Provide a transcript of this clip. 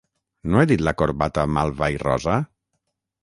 -No he dit la corbata malva i rosa?